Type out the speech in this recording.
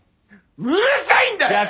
うるさいんだよ！